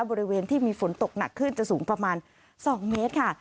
บริเวณที่มีฝนตกหนักขึ้นจะสูงประมาณ๒เมตรค่ะ